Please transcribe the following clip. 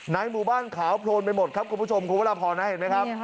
หมู่บ้านขาวโพลนไปหมดครับคุณผู้ชมคุณพระราพรนะเห็นไหมครับ